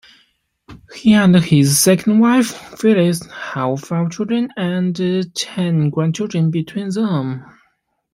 He and his second wife, Phyllis, have five children and ten grandchildren between them.